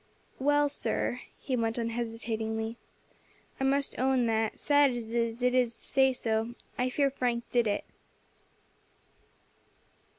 "Well, sir," he went on hesitatingly, "I must own that, sad as it is to say so, I fear Frank did it."